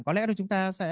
có lẽ là chúng ta sẽ